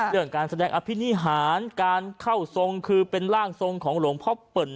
เรื่องการแสดงอภินิหารการเข้าทรงคือเป็นร่างทรงของหลวงพ่อเปิ่น